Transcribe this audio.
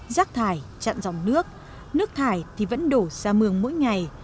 rác thải chặn dòng nước nước thải thì vẫn đổ ra mương mỗi ngày